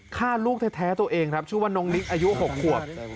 ฆ่าลูกแท้ตัวเองครับชื่อว่าน้องนิกอายุ๖ขวบ